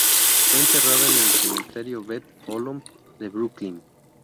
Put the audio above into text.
Fue enterrada en el cementerio Beth-Olom de Brooklyn.